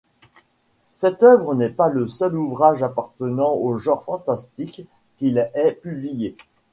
Cette œuvre n'est pas le seul ouvrage appartement au genre fantastique qu'il ait publié.